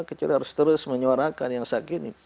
saya harus terus menyuarakan yang segini